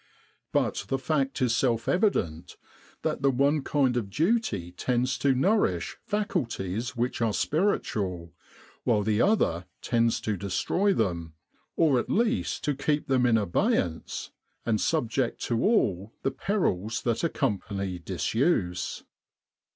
But the fact is self evident that the one kind of duty tends to nourish faculties which are spiritual, while the other tends to destroy them, or at least to keep them in abeyance and subject to all the perils that accompany disuse.